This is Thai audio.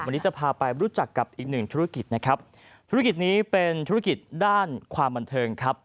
วันนี้จะพาไปรู้จักกับอีกหนึ่งธุรกิจนะครับธุรกิจนี้เป็นธุรกิจด้านความบันเทิงครับ